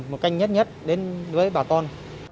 một canh nhất nhất đến với bảo toàn